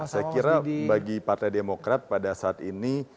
saya kira bagi partai demokrat pada saat ini